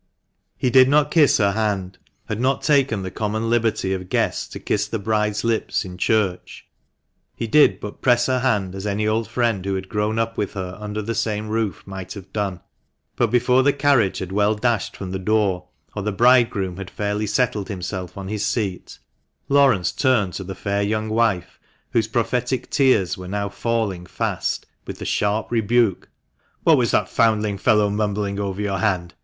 He did not kiss her hand, had not taken the common liberty of guests to kiss the bride's lips in church ; he did but press her hand as any old friend who had grown up with her under the same roof might have done ; but before the carriage had well dashed from the door, or the bridegroom had fairly settled himself on his seat, Laurence turned to the fair young wife, whose prophetic tears were now falling fast, with the sharp rebuke — "What was that foundling fellow mumbling over your hand?